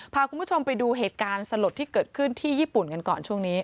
พาคุณผู้ชมไปดูเหตุการณ์สลดที่เกิดขึ้นที่ญี่ปุ่นกันก่อนช่วงนี้